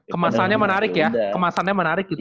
kemasannya menarik ya kemasannya menarik gitu ya